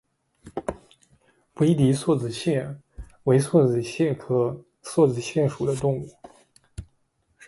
威迪梭子蟹为梭子蟹科梭子蟹属的动物。